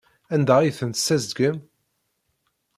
Anda ay ten-tessazedgem?